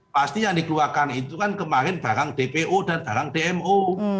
pasti yang dikeluarkan itu kan kemarin barang dpo dan barang dmo